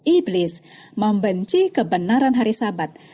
iblis membenci kebenaran hari sabat